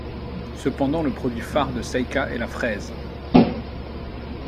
Cependant le produit phare de Seika est la fraise.